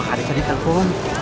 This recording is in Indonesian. pak haris tadi telepon